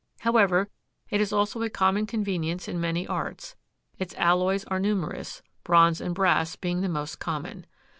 However, it is also a common convenience in many arts. Its alloys are numerous, bronze and brass being the most common.